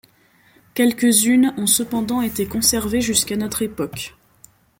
Quelques unes ont cependant été conservées jusqu'à notre époque.